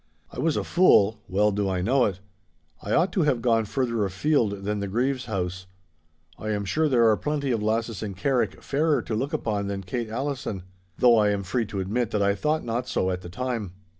I was a fool—well do I know it. I ought to have gone further afield than the Grieve's house. I am sure there are plenty of lasses in Carrick fairer to look upon than Kate Allison, though I am free to admit that I thought not so at the time.